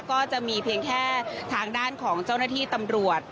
ก็จะมีเพียงแค่ทางด้านของเจ้าหน้าที่ตำรวจ